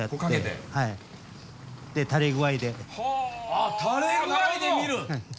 あっ垂れ具合で見る！？